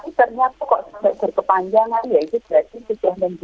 tapi ternyata kok sebab terkepanjangan ya itu berarti kita menjadikan depresi